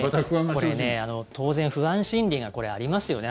これね、当然不安心理がありますよね。